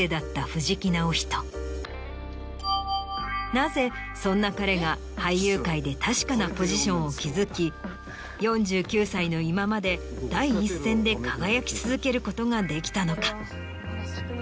なぜそんな彼が俳優界で確かなポジションを築き４９歳の今まで第一線で輝き続けることができたのか？